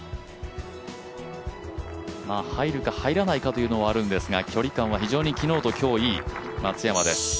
入るか入らないかというのはあるんですが、距離感は非常に昨日と今日いい松山です。